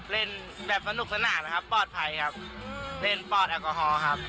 เล่นแบบสนุกสนานนะครับปลอดภัยครับเล่นปลอดแอลกอฮอล์ครับ